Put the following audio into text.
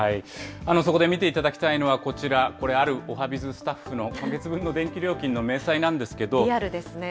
そこで見ていただきたいのはこちら、これあるおはＢｉｚスタッフの今月分の電気料金の明細なんですけリアルですね。